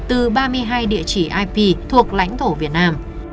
từ ba mươi hai địa chỉ ip thuộc lãnh thổ việt nam